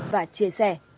và chia sẻ